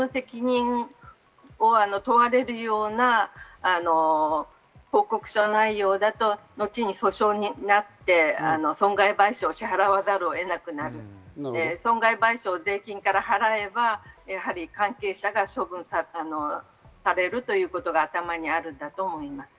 学校の責任を負う、問われるような報告書内容だと、後に訴訟になって、損害賠償を支払わざるを得なくなる、損害賠償を税金から払えば、やはり関係者が処分されるということが頭にあるんだと思います。